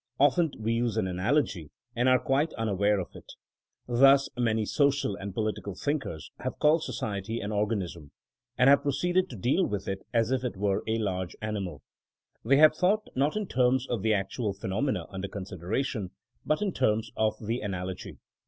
Often we use an analogy and are quite unaware of it. Thus many social and political thinkers have called society an ^^ organism," and have pro ceeded to deal with it as if it were a large ani mal They have thought not in terms of the actual phenomena under consideration, but in terms of the analogy.